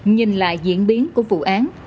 nhìn lại diễn biến của vụ án